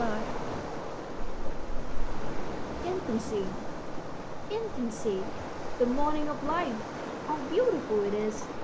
] Infancy, the morning of life! How beautiful it is!